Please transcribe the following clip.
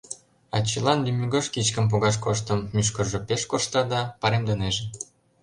Ачийлан лӱмегож кичкым погаш коштым: мӱшкыржӧ пеш коршта да, паремдынеже.